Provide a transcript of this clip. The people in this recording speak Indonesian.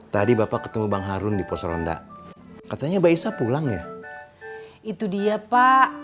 tadi bapak ketemu bang iharon diposong onda katanya listen pulang ya itu dia pak